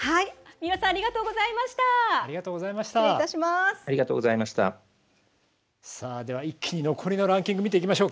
三浦さんありがとうございました。